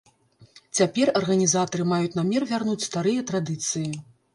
Цяпер арганізатары маюць намер вярнуць старыя традыцыі.